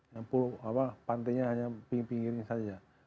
yang pantainya hanya pinggir pinggir saja